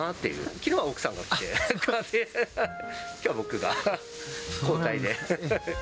きのうは奥さんが買いに来て、きょうは僕が交代で。